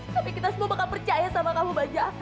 tapi kita semua bakal percaya sama kamu baja